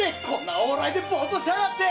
往来でボーッとしやがって！